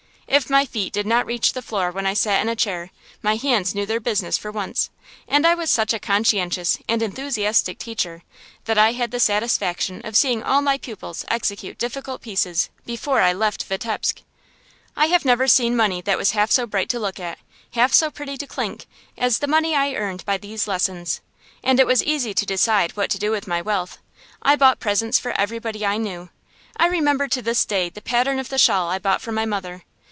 If my feet did not reach the floor when I sat in a chair, my hands knew their business for once; and I was such a conscientious and enthusiastic teacher that I had the satisfaction of seeing all my pupils execute difficult pieces before I left Vitebsk. I never have seen money that was half so bright to look at, half so pretty to clink, as the money I earned by these lessons. And it was easy to decide what to do with my wealth. I bought presents for everybody I knew. I remember to this day the pattern of the shawl I bought for my mother.